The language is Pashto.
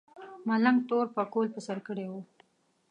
ملنګ تور پکول په سر کړی و.